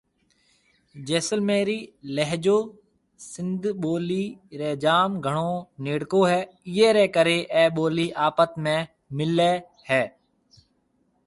جيسلميري لهجيو سنڌي ٻولي ري جام گھڻو نَيڙڪو هيَ ايئي ري ڪري اَي ٻولي آپت ۾ ملي هيَ۔